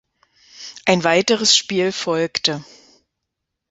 Ein weiteres Spiel folgte.